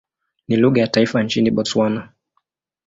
Ni lugha ya taifa nchini Botswana.